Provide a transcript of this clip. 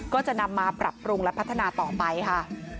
ก็จะนำมาปรับปรุงและพัฒนาต่อไปค่ะ